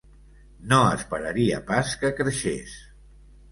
No esperaria pas que creixés